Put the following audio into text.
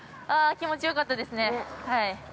あー、気持ちよかったですね。